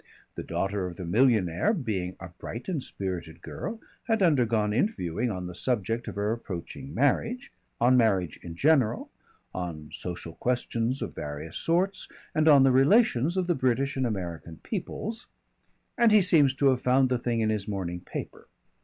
The daughter of the millionaire, being a bright and spirited girl, had undergone interviewing on the subject of her approaching marriage, on marriage in general, on social questions of various sorts, and on the relations of the British and American peoples, and he seems to have found the thing in his morning paper.